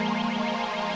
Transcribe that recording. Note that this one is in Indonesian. terima kasih pak ya